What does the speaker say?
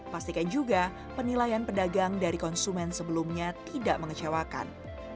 pastikan juga penilaian pedagang dari konsumen sebelumnya tidak mengecewakan